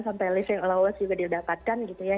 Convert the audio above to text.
sampai list yang lowest juga didapatkan gitu ya